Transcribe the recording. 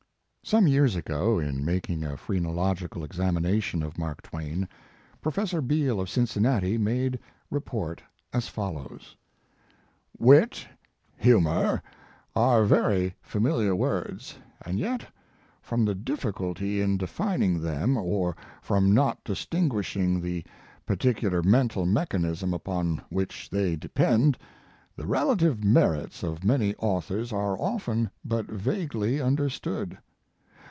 Some years ago in making a phrenolo gical examination of Mark Twain, Pro fessor Beall of Cincinnati, made report as follows: His Life and Work. "Wit and humor are very familiar words, and yet, from the difficulty in de fining them, or from not distinguishing the particular mental mechanism upon which they depend, the relative merits of many authors are often but vaguely understood.